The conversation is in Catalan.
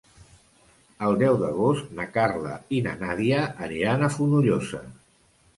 El deu d'agost na Carla i na Nàdia aniran a Fonollosa.